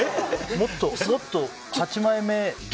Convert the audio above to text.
もっと８枚目。